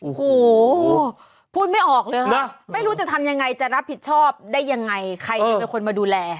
โอ้โหพูดไม่ออกเลยค่ะไม่รู้จะทำยังไงจะรับผิดชอบได้ยังไงใครจะเป็นคนมาดูแล